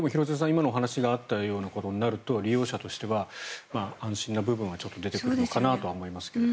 今のお話にあったようなことになると利用者としては安心な部分はちょっと出てくるのかなと思いますけど。